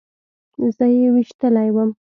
زه يې ويشتلى وم.